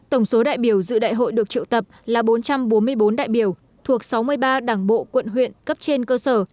tổng số đại biểu dự đại hội được triệu tập là bốn trăm bốn mươi bốn đại biểu thuộc sáu mươi ba đảng bộ quận huyện cấp trên cơ sở